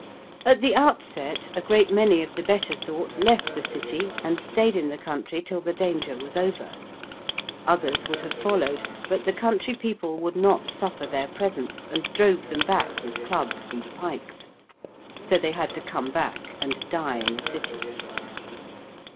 At the outset a great many of the better sort left the City and stayed in the country till the danger was over: others would have followed but the country people would not suffer their presence and drove them back with clubs and pikes. So they had to come back and die in the City.